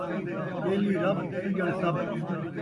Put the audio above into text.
ٻیلی رب، سڄݨ سب